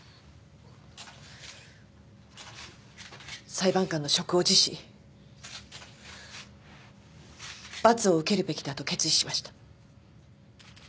裁判官の職を辞し罰を受けるべきだと決意しました。